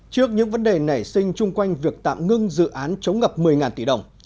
trước những vấn đề nảy sinh chung quanh việc tạm ngưng dự án chống ngập một mươi tỷ đồng